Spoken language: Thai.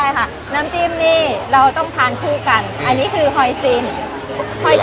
ใช่ค่ะน้ำจิ้มนี่เราต้องทานคู่กันอันนี้คือหอยซิน